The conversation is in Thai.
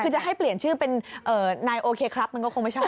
คือจะให้เปลี่ยนชื่อเป็นนายโอเคครับมันก็คงไม่ใช่